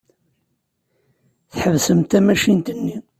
Tḥebsemt tamacint-nni.